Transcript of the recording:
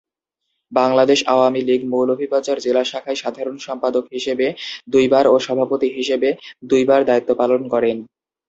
বাংলাদেশ আওয়ামী লীগ মৌলভীবাজার জেলা শাখায় সাধারণ সম্পাদক হিসেবে দুইবার ও সভাপতি হিসেবে দুইবার দায়িত্ব পালন করেন।